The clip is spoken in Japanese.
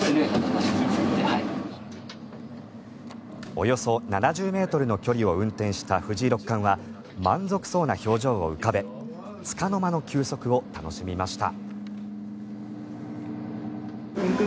およそ７０ｍの距離を運転した藤井六冠は満足そうな表情を浮かべつかの間の休息を楽しみました。